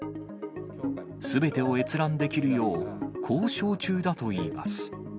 すべてを閲覧できるよう、交渉中だといいます。